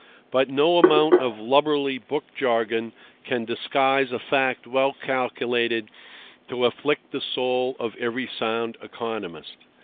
But no amount of lubberly book jargon can disguise a fact well calculated to afflict the soul of every sound economist.